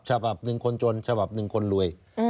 ฉบับ๑คนชนฉบับ๑คนรวย